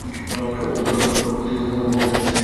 তদ্ব্যতীত, পরবর্তী কোনও স্বাগতিক শহরের উপস্থাপনা ছিল না।